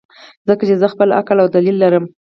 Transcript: ځکه چې زۀ خپل عقل او دليل لرم -